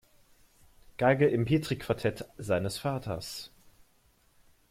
Geige im Petri-Quartett seines Vaters.